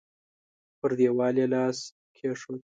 پر دېوال يې لاس کېښود.